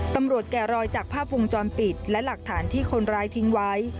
แก่รอยจากภาพวงจรปิดและหลักฐานที่คนร้ายทิ้งไว้